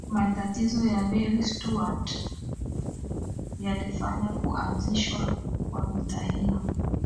matatizo ya mary stuart yalifanya kuanzisha kwa vita hiyo